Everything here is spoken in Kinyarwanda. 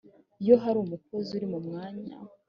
iyo hari umukozi uri mu mwanya